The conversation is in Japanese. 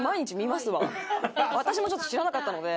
私もちょっと知らなかったので。